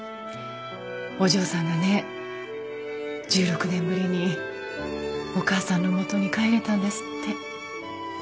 お嬢さんがね１６年ぶりにお母さんのもとに帰れたんですって。